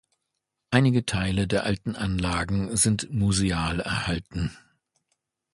Einige Teile der alten Anlagen sind museal erhalten.